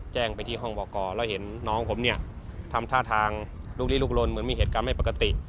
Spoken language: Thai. แจ้งไปที่ห้องบอกกรแล้วเห็นน้องผมเนี่ยทำท่าทางลูกลีลุกลนเหมือนมีเหตุการณ์ไม่ปกติ